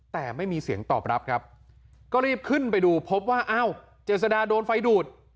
แต่ไม่มีเสียงตอบรับครับก็รีบขึ้นไปดูพบว่าอ้าวเจษดาโดนไฟดูด